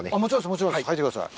もちろんです入ってください。